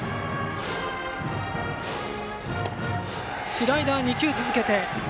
スライダー、２球続けた。